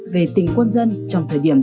về tình quân dân trong thời điểm